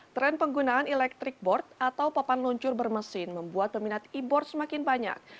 tren penggunaan electric board atau papan luncur bermesin membuat peminat e board semakin banyak